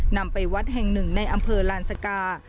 นำไปวัดแห่งหนึ่งในอำเภอลานสกา